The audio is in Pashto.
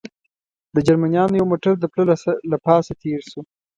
د جرمنیانو یو موټر د پله له پاسه تېر شو.